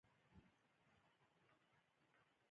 د خپل نامعلوم برخلیک په هیله یې شیبې شمیرلې.